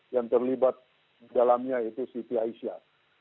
yang terlibat dalamnya itu siti aisyah